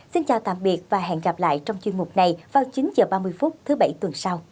xin chào tạm biệt và hẹn gặp lại trong chuyên mục này vào chín h ba mươi phút thứ bảy tuần sau